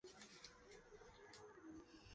她说她认为卡瓦诺打算强奸她。